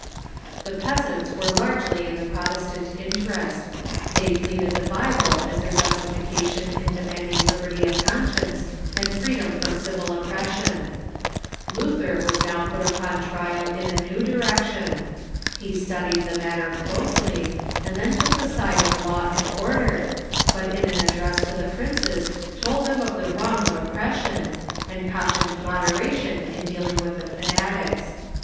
The peasants were largely in the Protestant inter est. They pleaded the Bible as their justification in demand ing liberty of conscience and freedom from civil oppression. Luther was now put upon trial in a new direction. He stud ied the matter closely, and then took the side of law and or dei", but in an address to the princes told them of the wrong of oppression, and cautioned moderation in dealing with the fanatics.